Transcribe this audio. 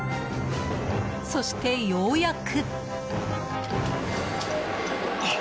そしてようやく。